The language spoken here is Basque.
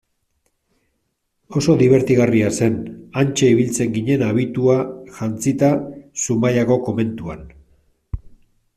Oso dibertigarria zen, hantxe ibiltzen ginen abitua jantzita Zumaiako komentuan.